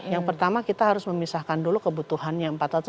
yang pertama kita harus memisahkan dulu kebutuhannya